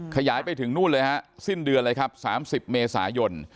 ขยายไปถึงนู่นเลยฮะสิ้นเดือนเลยครับ๓๐เมษายน